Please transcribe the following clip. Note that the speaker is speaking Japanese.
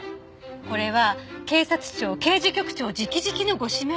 これは警察庁刑事局長直々のご指名でもあります。